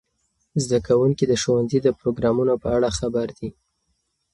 زده کوونکي د ښوونځي د پروګرامونو په اړه خبر دي.